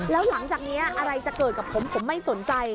แล้วหลังจากนี้อะไรจะเกิดกับผมผมไม่สนใจ